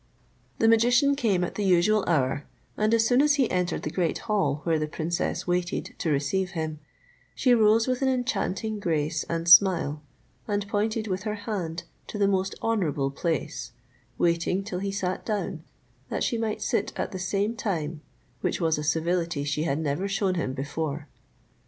The magician came at the usual hour, and as soon as he entered the great hall where the princess waited to receive him, she rose with an enchanting grace and smile, and pointed with her hand to the most honourable place, waiting till he sat down, that she might sit at the same time which was a civility she had never shown him before.